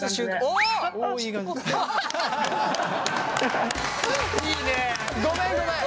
おお！ごめんごめん！